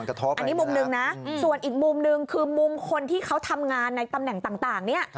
อันนี้มุมหนึ่งนะส่วนอีกมุมหนึ่งคือมุมคนที่เขาทำงานในตำแหน่งต่างเนี่ย